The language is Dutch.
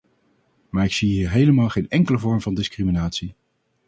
Maar ik ze hier helemaal geen enkele vorm van discriminatie.